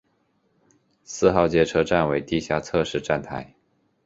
四号街车站为地下侧式站台。